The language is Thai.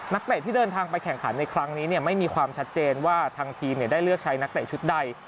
เตะที่เดินทางไปแข่งขันในครั้งนี้ไม่มีความชัดเจนว่าทางทีมได้เลือกใช้นักเตะชุดใด